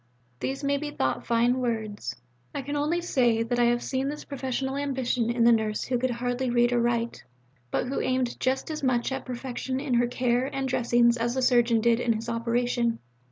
These may be thought fine words. I can only say that I have seen this professional ambition in the nurse who could hardly read or write, but who aimed just as much at perfection in her care and dressings as the surgeon did in his operation.